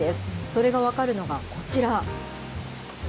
それが分かるのがこちら。